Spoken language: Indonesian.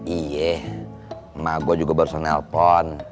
iya ma gue juga baru sempat nelpon